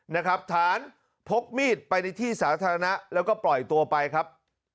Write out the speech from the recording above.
นะครับฐานพกมีดไปในที่สาธารณะแล้วก็ปล่อยตัวไปครับ